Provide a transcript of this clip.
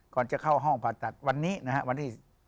ก่อนจะเข้าห้องผ่าตัดวันนี่นะครับวันที่๒๓